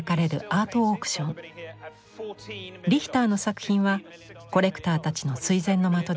リヒターの作品はコレクターたちの垂ぜんの的です。